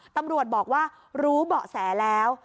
ตำรวจบอกว่ารู้เบาะแสแล้ว